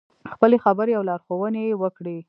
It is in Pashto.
خپلې خبرې او لارښوونې یې وکړې.